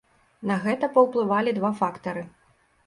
На гэта паўплывалі два фактары.